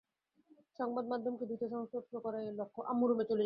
সংবাদমাধ্যমকে ভীতসন্ত্রস্ত করাই এর লক্ষ্য।